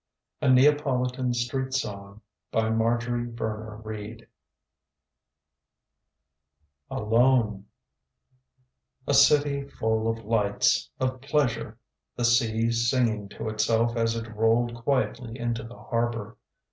A NEAPOLITAN STREET SONG ALONE A CITY full of lights, of pleasure. The sea singing to itself as it rolled quietly into the harbor.